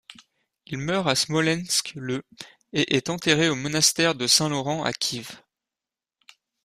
Il meurt à Smolensk le et est enterré au Monastère de Saint-Laurent à Kiev.